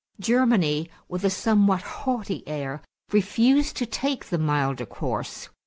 Germany, with a somewhat haughty air, refused to take the milder course.